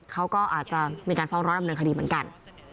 เขาก็อาจจะมีการฟ้องร้องดำเนินคดีเหมือนกัน